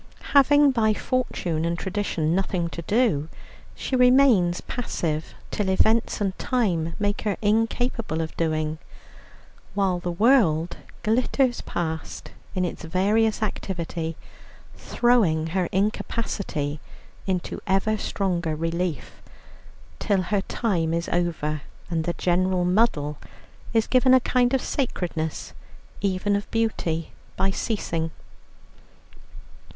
Having by fortune and tradition nothing to do, she remains passive till events and time make her incapable of doing, while the world glitters past in its various activity, throwing her incapacity into ever stronger relief, till her time is over and the general muddle is given a kind of sacredness, even of beauty, by ceasing.